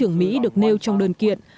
súng trường mỹ được nêu trong đơn kiện